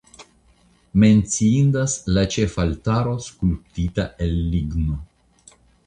Menciindas la ĉefaltaro skulptita el ligno.